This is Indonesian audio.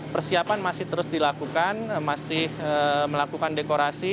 persiapan masih terus dilakukan masih melakukan dekorasi